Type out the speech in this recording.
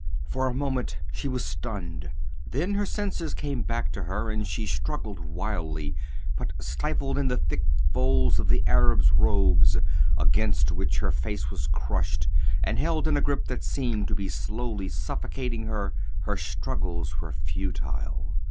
For a moment she was stunned, then her senses came back to her and she struggled wildly, but stifled in the thick folds of the Arab's robes, against which her face was crushed, and held in a grip that seemed to be slowly suffocating her, her struggles were futile.